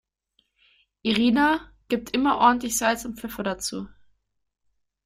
Irina gibt immer ordentlich Salz und Pfeffer dazu.